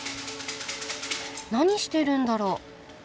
何してるんだろう？